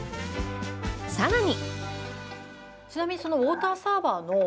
さらに。